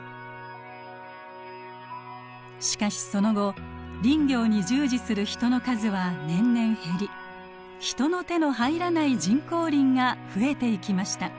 しかしその後林業に従事する人の数は年々減り人の手の入らない人工林が増えていきました。